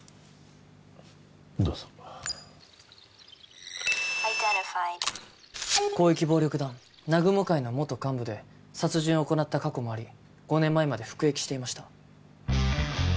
どうぞ広域暴力団南雲会の元幹部で殺人を行った過去もあり５年前まで服役していました